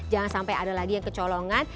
jangan sampai ada lagi yang kecolongan